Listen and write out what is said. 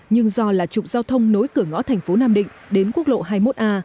nhưng do là trục giao thông nối cửa ngõ thành phố nam định đến quốc lộ hai mươi một a